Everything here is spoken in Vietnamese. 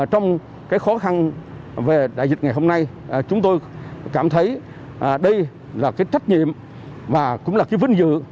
trong cái khó khăn về đại dịch ngày hôm nay chúng tôi cảm thấy đây là cái trách nhiệm và cũng là cái vinh dự